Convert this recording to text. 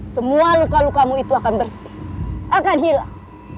semua luka lukamu itu akan bersih akan hilang